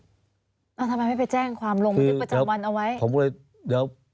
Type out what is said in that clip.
ทำไมไม่แจ้งความหรอก